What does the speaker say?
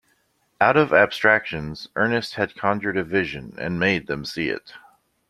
Out of abstractions Ernest had conjured a vision and made them see it.